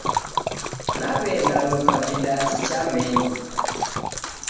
Naw'enda luka vidasi chamenyi.